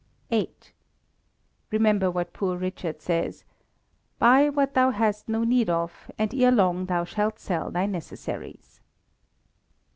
viii. Remember what Poor Richard says, "Buy what thou hast no need of, and ere long thou shalt sell thy necessaries."